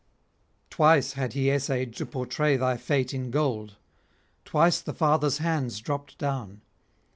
Twice had he essayed to portray thy fate in gold; twice the father's hands dropped down.